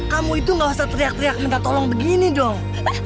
kamu itu gak usah teriak teriak minta tolong begini dong